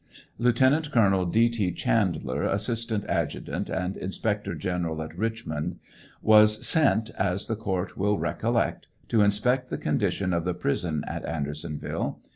Lieutenant Colonel D. T. Chandler, assistant adjutant and inspector general at Richmond, was sent, as the court will recollect, to inspect the condition of the jiri.son at Andersonville.